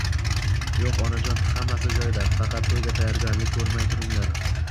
Yo`q onajon, hammasi joyida, faqat to`yga tayyorgarlik ko`rmay turinglar